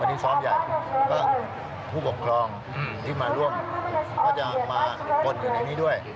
วันนี้ซ้อมใหญ่ก็ผู้ปกครองที่มาร่วมก็จะมาปนอยู่ในนี้ด้วย